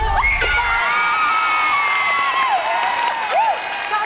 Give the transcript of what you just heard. ถูกกังถูกกังถูกกัง